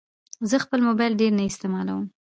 زه خپل موبایل ډېر نه استعمالوم.